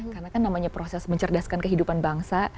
karena kan namanya proses mencerdaskan kehidupan bangsa